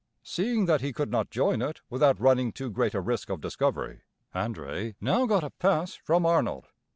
Seeing that he could not join it without running too great a risk of discovery, André now got a pass from Arnold.